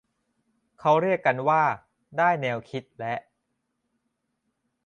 เราเรียกกันว่า ได้แนวคิดและ